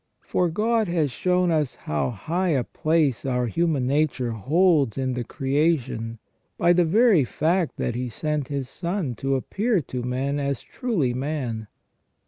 For God has shown us how high a place our human nature holds in the creation by the very fact that He has sent His Son to appear to men as truly man.